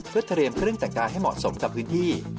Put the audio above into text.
เพื่อเตรียมเครื่องแต่งกายให้เหมาะสมกับพื้นที่